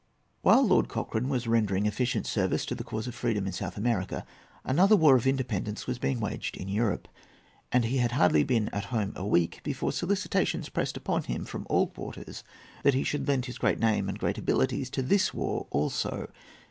] While Lord Cochrane was rendering efficient service to the cause of freedom in South America, another war of independence was being waged in Europe; and he had hardly been at home a week before solicitations pressed upon him from all quarters that he should lend his great name and great abilities to this war also.